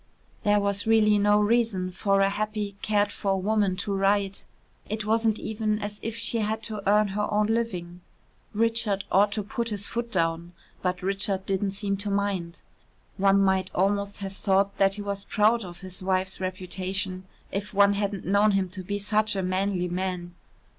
There was really no reason for a happy, cared for woman to write. It wasn't even as if she had to earn her own living. Richard ought to put his foot down, but Richard didn't seem to mind. One might almost have thought that he was proud of his wife's reputation, if one hadn't known him to be such a manly man.